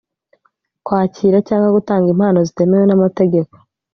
kwakira cyangwa gutanga impano zitemewe n’amategeko